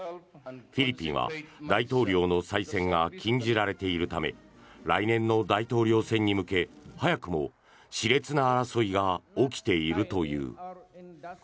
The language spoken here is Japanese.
フィリピンは大統領の再選が禁じられているため来年の大統領選に向け早くも熾烈な争いが起きているという。